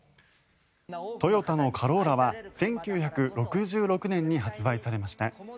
トヨタのカローラは１９６６年に発売されました。